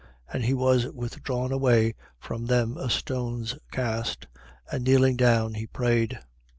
22:41. And he was withdrawn away from them a stone's cast. And kneeling down, he prayed.